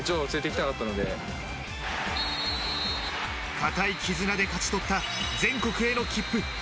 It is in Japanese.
堅い絆で勝ち取った全国への切符。